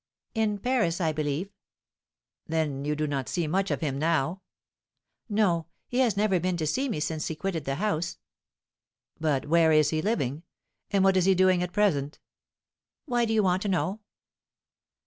"In Paris, I believe." "Then you do not see much of him now?" "No, he has never been to see me since he quitted the house." "But where is he living? And what is he doing at present?" "Why do you want to know?"